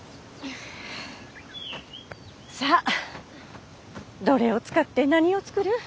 さあどれを使って何を作る？